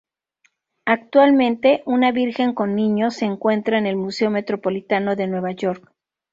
Actualmente, una Virgen con Niño se encuentra en el Museo Metropolitano de Nueva York.